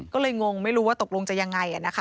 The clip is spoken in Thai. ก็เลยงงไม่รู้ว่าตกลงจะยังไง